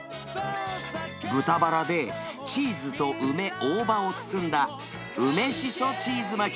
豚バラでチーズと梅、大葉を包んだ、梅しそチーズ巻き。